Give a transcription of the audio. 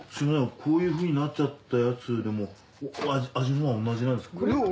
こういうふうになっちゃったやつでも味は同じなんですか？